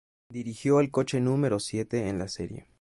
Dirigió el coche número siete en la serie.